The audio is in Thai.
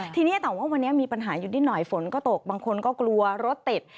ทีนี้แต่ว่าวันนี้มีปัญหาอยู่นิดหน่อยฝนก็ตกบางคนก็กลัวรถติด